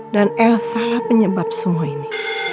dan elsa lah penyebab semua ini